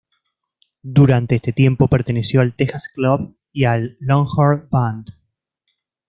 Durante este tiempo perteneció al Tejas Club y al Longhorn Band.